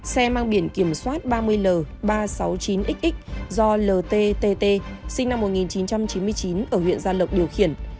xe mang biển kiểm soát ba mươi l ba trăm sáu mươi chín xx do ltt sinh năm một nghìn chín trăm chín mươi chín ở huyện gia lộc điều khiển